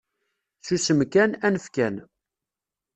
Susem kan, anef kan.